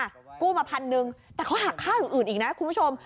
กู้มาพันหนึ่งแต่เขาหักค่าอย่างอื่นอีกนะคุณผู้ชม